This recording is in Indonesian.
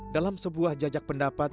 dalam sebuah jajak pendapat